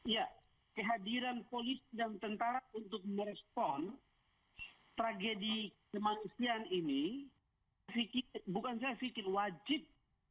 ya kehadiran polisi dan tentara untuk merespon tragedi kemanusiaan ini bukan saya pikir wajib